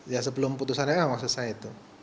ya sebelum putusannya maksud saya itu